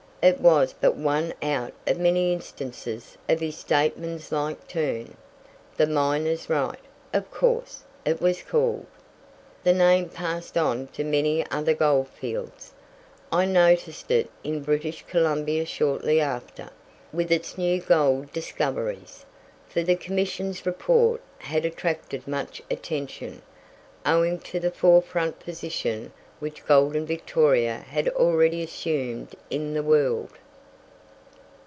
It was but one out of many instances of his statesmanlike turn. The Miner's Right, of course, it was called. The name passed on to many other goldflelds. I noticed it in British Columbia shortly after, with its new gold discoveries; for the Commission's report had attracted much attention, owing to the forefront position which golden Victoria had already assumed in the world.